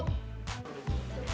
dia ratu gaul